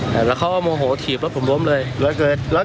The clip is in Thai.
แล้วเขาโมโหถีบแล้วผมล้มเลยแล้วเจอแล้วกันเป็นบาดแสกันอ่ะ